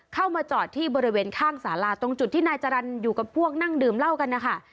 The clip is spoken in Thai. เข้ามาจอดที่บริเวณข้างสาราตรงจุดที่นายจรรย์อยู่กับพวกนั่งดื่มเหล้ากันนะคะ